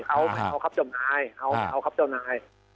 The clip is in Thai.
เอาครับเจ้านายเอาครับเจ้านาย